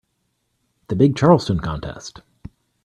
The big Charleston contest.